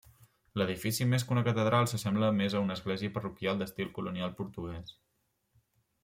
L'edifici més que una catedral s'assembla més a una església parroquial d'estil colonial portuguès.